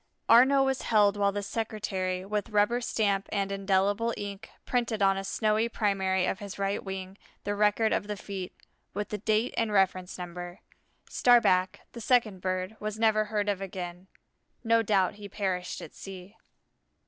Arnaux was held while the secretary, with rubber stamp and indelible ink, printed on a snowy primary of his right wing the record of the feat, with the date and reference number. Starback, the second bird, never was heard of again. No doubt he perished at sea.